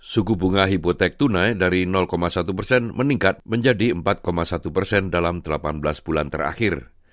suku bunga hipotek tunai dari satu persen meningkat menjadi empat satu persen dalam delapan belas bulan terakhir